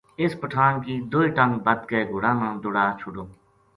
اِس پٹھان کی دوئے ٹنگ بَد کے گھوڑاں نا دوڑا چھوڈو ‘‘